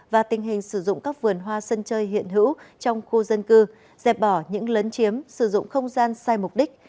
và tình hình sử dụng các vườn hoa sân chơi hiện hữu trong khu dân cư dẹp bỏ những lấn chiếm sử dụng không gian sai mục đích